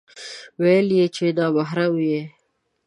ويل يې چې نا محرمه يې